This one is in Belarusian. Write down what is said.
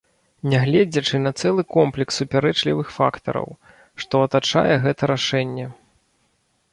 Нягледзячы на цэлы комплекс супярэчлівых фактараў, што атачае гэта рашэнне.